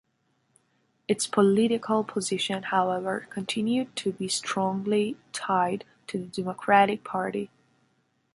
Its political position, however, continued to be strongly tied to the Democratic Party.